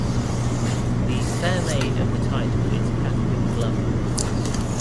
The "fair maid" of the title is Catharine Glover.